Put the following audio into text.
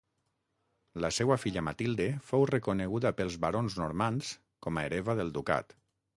La seua filla Matilde fou reconeguda pels barons normands com a hereva del ducat.